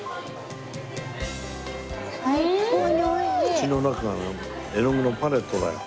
口の中が絵の具のパレットだよ。